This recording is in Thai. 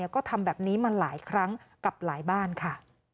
ก็ทำแบบนี้มาหลายครั้งกับหลายบ้านค่ะ